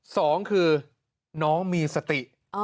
สองคือน้องมีสติ